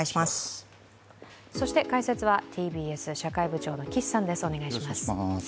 解説はＴＢＳ社会部長の岸さんです。